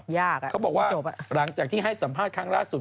ยากอ่ะไม่จบอ่ะเขาบอกว่าหลังจากที่ให้สัมภาษณ์ครั้งล่าสุด